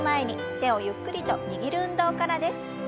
手をゆっくりと握る運動からです。